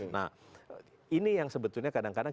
nah ini yang sebetulnya kadang kadang